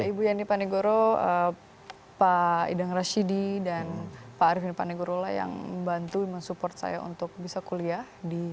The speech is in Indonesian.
ibu yani panigoro pak idang rashidi dan pak ariefin panigoro lah yang membantu support saya untuk bisa kuliah